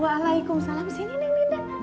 waalaikumsalam disini nenek